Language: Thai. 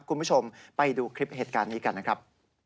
คุณผู้ชมไปดูคลิปเหตุการณ์นี้กันนะครับ